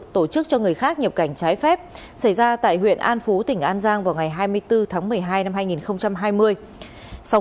tổ chức cho người khác nhập cảnh trái phép xảy ra tại huyện an phú tỉnh an giang vào ngày hai mươi bốn tháng một mươi hai năm hai nghìn hai mươi